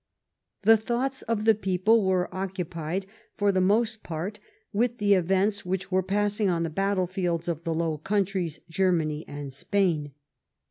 The thoughts of the people were occupied for the most part with the events which were passing on the battle fields of the Low Countries, Germany, and Spain.